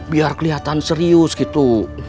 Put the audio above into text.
biar kelihatan serius gitu